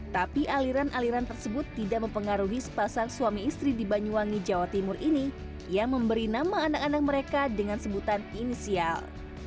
tapi aliran aliran tersebut tidak mempengaruhi sepasang suami istri di banyuwangi jawa timur ini yang memberi nama anak anak mereka dengan sebutan inisial